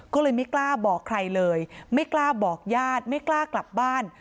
ก็เลยไม่กล้าบอกใครเลยไม่กล้าบอกญาติไม่กล้ากลับบ้าน